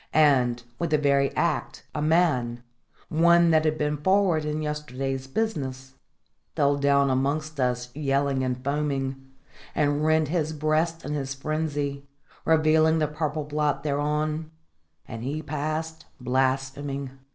And, with the very act, a man one that had been forward in yesterday's business fell down amongst us yelling and foaming; and he rent his breast in his frenzy, revealing the purple blot thereon, and he passed blaspheming.